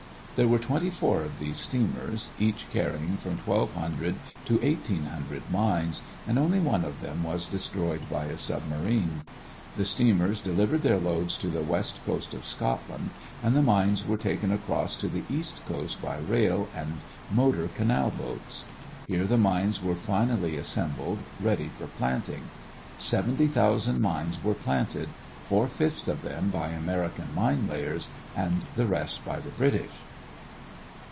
There were twenty four of these steamers, each carrying from twelve hundred to eighteen hundred mines and only one of them was destroyed by a submarine. The steamers delivered their loads on the west coast of Scotland and the mines were taken across to the east coast by rail and motor canal boats. Here the mines were finally assembled, ready for planting. Seventy thousand mines were planted, four fifths of them by American mine layers and the rest by the British.